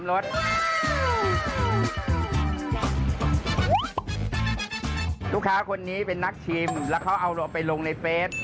ลูกค้าคนนี้เป็นนักชิมแล้วเขาเอาเราไปลงในเฟส